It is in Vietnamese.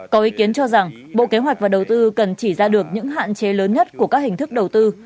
có ý kiến cho rằng bộ kế hoạch và đầu tư cần chỉ ra được những hạn chế lớn nhất của các hình thức đầu tư